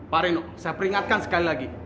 pak reno saya peringatkan sekali lagi